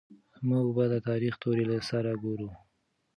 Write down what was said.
موږ به د تاريخ توري له سره ګورو.